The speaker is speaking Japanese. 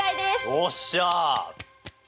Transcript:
よっしゃ！